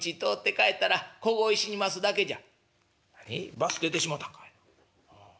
バス出てしもうたんかいな。